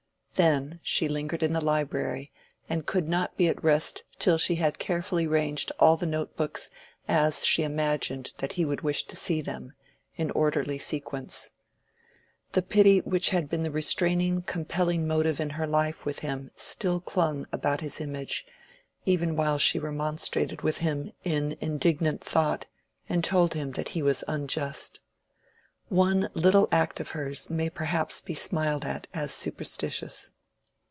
Then, she lingered in the library and could not be at rest till she had carefully ranged all the note books as she imagined that he would wish to see them, in orderly sequence. The pity which had been the restraining compelling motive in her life with him still clung about his image, even while she remonstrated with him in indignant thought and told him that he was unjust. One little act of hers may perhaps be smiled at as superstitious.